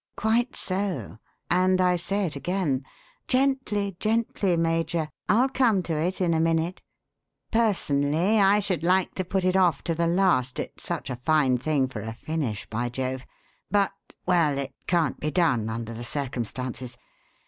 "Quite so and I say it again. Gently, gently, Major I'll come to it in a minute. Personally I should like to put it off to the last, it's such a fine thing for a finish, by Jove! But well it can't be done under the circumstances.